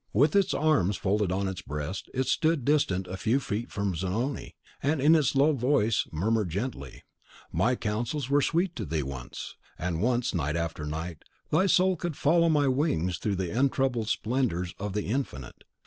With its arms folded on its breast, it stood distant a few feet from Zanoni, and its low voice murmured gently, "My counsels were sweet to thee once; and once, night after night, thy soul could follow my wings through the untroubled splendours of the Infinite.